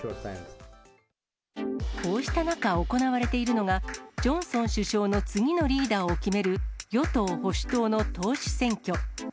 こうした中行われているのが、ジョンソン首相の次のリーダーを決める、与党・保守党の党首選挙。